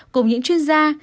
cùng những chuyên gia